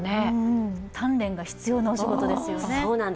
鍛錬が必要なお仕事ですよね。